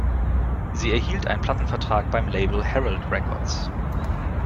Sie erhielten einen Plattenvertrag beim Label Herald Records.